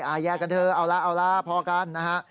อ่าแยกกันเถอะเอาล่ะพอกันนะฮะ